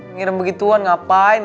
ngirim begituan ngapain